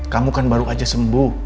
kamu kan baru aja sembuh